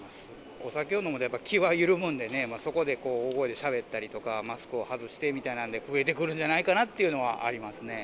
お酒を飲むと、やっぱり気は緩むのでね、そこでこう、大声でしゃべったりとか、マスクを外してみたいなので、増えてくるんじゃな